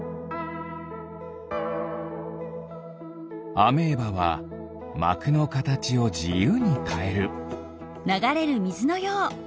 アメーバはまくのかたちをじゆうにかえる。